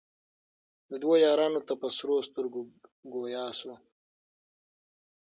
دوو یارانو ته په سرو سترګو ګویا سو